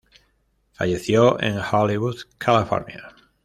Falleció en Hollywood, California.